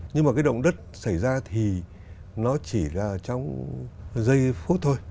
nhưng mà cái động đất xảy ra thì nó chỉ là trong giây phút thôi